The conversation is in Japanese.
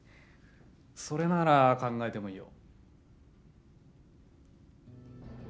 それなら考えてもいいよ。